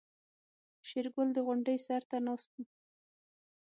شېرګل د غونډۍ سر ته ناست و.